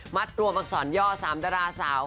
รวมอักษรย่อ๓ดาราสาว